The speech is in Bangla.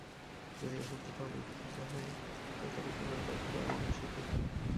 যদি একান্ত পাঁউরুটি খেতে হয় তো তাকে পুনর্বার খুব আগুনে সেঁকে খাও।